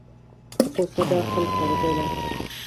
غوسه د عقل پرده ده.